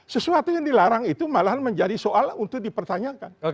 sesuatu yang dilarang itu malahan menjadi soal untuk dipertanyakan